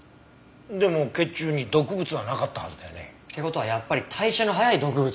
でも血中に毒物はなかったはずだよね？って事はやっぱり代謝の早い毒物。